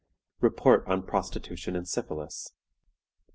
"REPORT ON PROSTITUTION AND SYPHILIS.